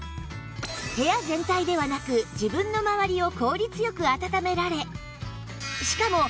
部屋全体ではなく自分の周りを効率良くあたためられ